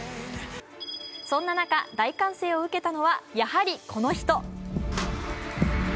そんな中、大歓声を受けたのはやはり、この人。